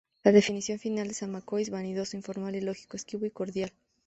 La definición final de Zamacois: "vanidoso, informal, ilógico, esquivo y cordial.